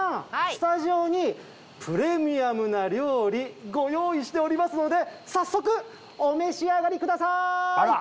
スタジオにプレミアムな料理ご用意しておりますので早速お召し上がりください！